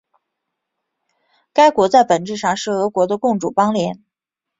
该国在本质上是俄国的共主邦联。